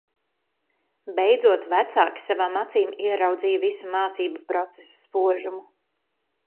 Beidzot vecāki savām acīm ieraudzīja visu mācību procesa spožumu.